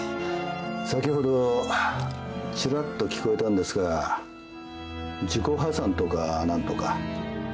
先ほどちらっと聞こえたんですが自己破産とか何とか。